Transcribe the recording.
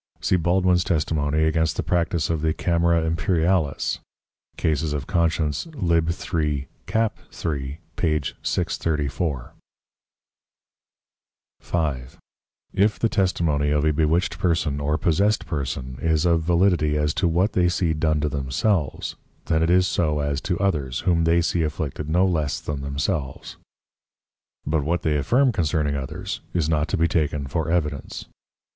See Baldwin's Testimony against the Practice of the Camera Imperialis, Cas. Consc. L. 3. c. 3. p. 634. 5. _If the Testimony of a bewitched or possessed Person, is of validity as to what they see done to themselves, then it is so as to others, whom they see afflicted no less than themselves:_ But what they affirm concerning others, is not to be taken for Evidence.